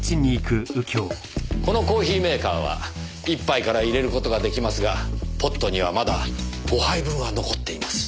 このコーヒーメーカーは１杯から淹れる事が出来ますがポットにはまだ５杯分は残っています。